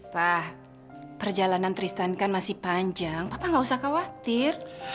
wah perjalanan tristan kan masih panjang papa nggak usah khawatir